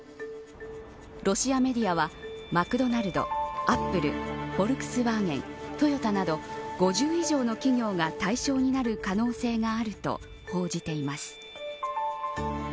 ロシアメディアはマクドナルド、アップルフォルクスワーゲン、トヨタなど５０以上の企業が対象になる可能性があると報じています。